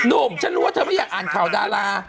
หนูฉันรู้ว่าชีวิตเธอไม่อยากอ่านข่าวดารา